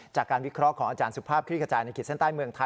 จากการวิเคราะห์ของอาจารย์สุภาพคลิกกระจายในขีดเส้นใต้เมืองไทย